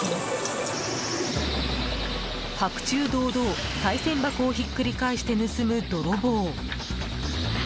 白昼堂々、さい銭箱をひっくり返して盗む泥棒。